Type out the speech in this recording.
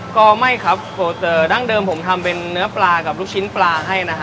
ก็ไม่ครับดั้งเดิมผมทำเป็นเนื้อปลากับลูกชิ้นปลาให้นะฮะ